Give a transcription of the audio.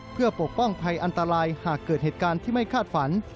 เพื่อปกป้องภัยอันตรายหากเกิดเหตุการณ์ที่ไม่คาดฝัน